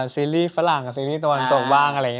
ซีรีส์ฝรั่งซีรีส์ตอนตกว่างอะไรอย่างงี้